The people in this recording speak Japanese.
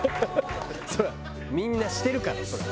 みんなしてるからそりゃ。